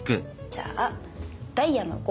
じゃあダイヤの５。